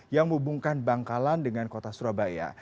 yang menghubungkan bangkalan dengan kota surabaya